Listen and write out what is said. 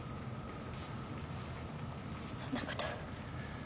そんなこと。